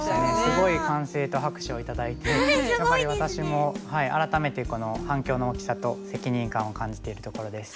すごい歓声と拍手を頂いてやはり私も改めてこの反響の大きさと責任感を感じているところです。